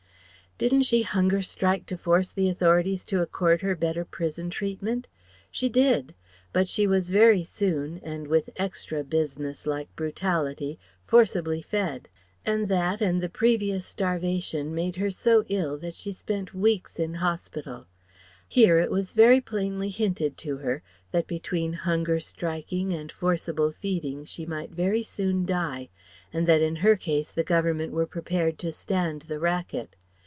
"Didn't she hunger strike to force the Authorities to accord her better prison treatment?" She did. But she was very soon, and with extra business like brutality, forcibly fed; and that and the previous starvation made her so ill that she spent weeks in hospital. Here it was very plainly hinted to her that between hunger striking and forcible feeding she might very soon die; and that in her case the Government were prepared to stand the racket.